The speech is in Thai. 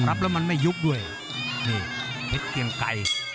รับแล้วมันไม่ยุบด้วยนี่เพชรเกียงไกร